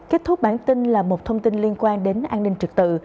kết thúc bản tin là một thông tin liên quan đến an ninh trực tự